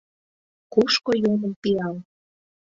Кушко йомын пиал?